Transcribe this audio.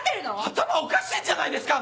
頭おかしいんじゃないですか！